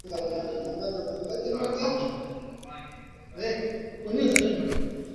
ka eneo la dusomareb